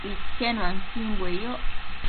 Iquenuanquimbue yoc